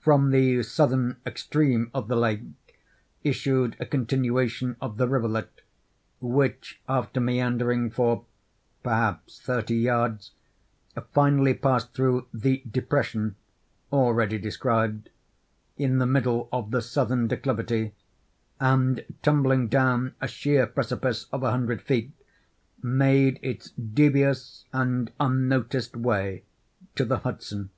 From the southern extreme of the lake issued a continuation of the rivulet, which, after meandering for, perhaps, thirty yards, finally passed through the "depression" (already described) in the middle of the southern declivity, and tumbling down a sheer precipice of a hundred feet, made its devious and unnoticed way to the Hudson.